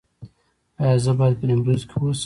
ایا زه باید په نیمروز کې اوسم؟